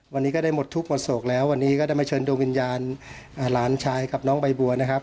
วันนี้ก็ได้หมดทุกข์หมดโศกแล้ววันนี้ก็ได้มาเชิญดวงวิญญาณหลานชายกับน้องใบบัวนะครับ